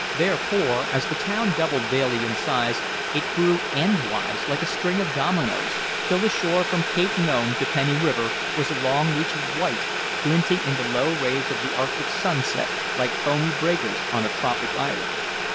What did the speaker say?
Therefore, as the town doubled daily in size, it grew endwise like a string of dominoes, till the shore from Cape Nome to Penny River was a long reach of white, glinting in the low rays of the arctic sunset like foamy breakers on a tropic island.